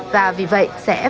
và vì vậy sẽ phải